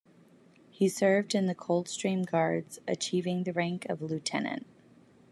He served in the Coldstream Guards, achieving the rank of lieutenant.